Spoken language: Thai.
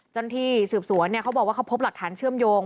เจ้าหน้าที่สืบสวนเขาบอกว่าเขาพบหลักฐานเชื่อมโยง